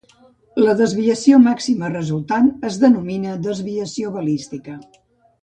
La desviació màxima resultant es denomina desviació balística.